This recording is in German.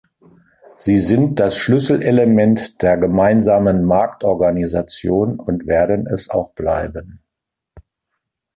Sie sind das Schlüsselelement der Gemeinsamen Marktorganisation und werden es auch bleiben.